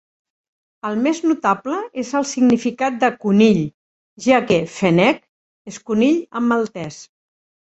El més notable és el significat de "conill", ja que "fenek" és conill en maltès.